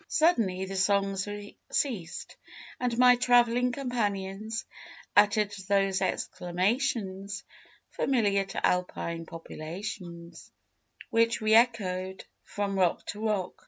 Suddenly the songs ceased, and my travelling companions uttered those exclamations, familiar to Alpine populations, which re echoed from rock to rock.